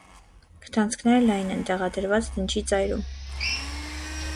Քթանցքերը լայն են՝ տեղադրված դնչի ծայրում։